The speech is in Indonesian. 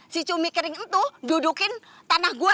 si cumi kering itu dudukin tanah gue